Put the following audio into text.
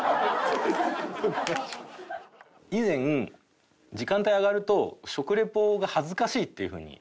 以前時間帯上がると食リポが恥ずかしいっていう風に。